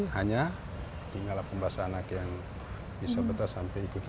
hanya tinggal delapan belas anak yang bisa kita sampai ikut